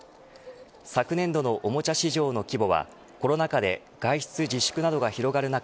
昨年度のおもちゃ市場の規模はコロナ禍で外出自粛などが広がる中